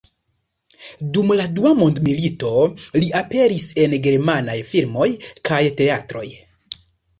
Dum la Dua mondmilito li aperis en germanaj filmoj kaj teatroj.